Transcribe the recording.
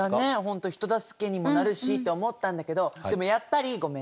本当人助けにもなるしって思ったんだけどでもやっぱりごめんね